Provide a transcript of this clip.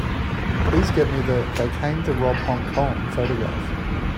Please get me the They Came to Rob Hong Kong photograph.